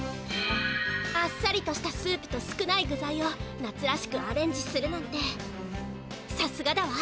あっさりとしたスープと少ないぐざいを夏らしくアレンジするなんてさすがだわ。